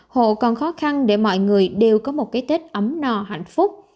hộ còn khó khăn để mọi người đều có một cái tết ấm no hạnh phúc